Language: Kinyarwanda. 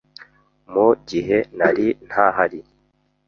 mu gihe nari ntahari.